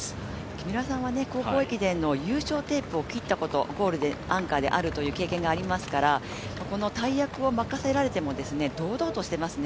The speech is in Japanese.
木村さんは高校駅伝の優勝テープを切ったことがゴール、アンカーでありますから大役を任せられても堂々としていますね